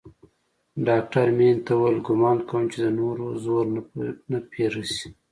ډاکتر مينې ته وويل ګومان کوم چې د نورو زور نه پې رسي.